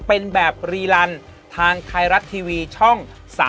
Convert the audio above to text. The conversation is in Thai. เป็นแบบรีลันทางไทยรัฐทีวีช่อง๓๒